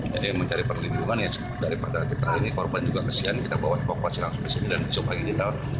jadi mencari perlindungan daripada kita ini korban juga kesian kita bawa ke pokokan langsung ke sini dan besok pagi kita